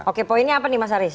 oke poinnya apa nih mas haris